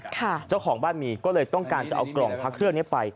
เจ้าของบ้านมีก็เลยต้องการจะเอากล่องพระเครื่องนี้ไป